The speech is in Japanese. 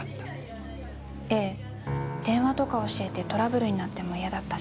ええ電話とか教えてトラブルになっても嫌だったし。